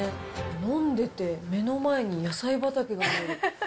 飲んでて、目の前に野菜畑が見える。